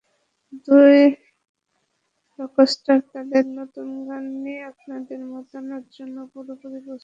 দুই রকস্টার তাঁদের নতুন গান নিয়ে আপনাদের মাতানোর জন্য পুরোপুরি প্রস্তুত।